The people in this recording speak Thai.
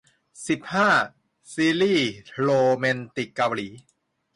สิบห้า ซีรีส์โรแมนติกเกาหลี